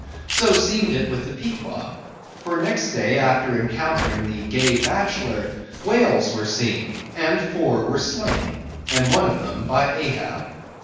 So seemed it with the Pequod. For next day after encountering the gay Bachelor, whales were seen and four were slain; and one of them by Ahab.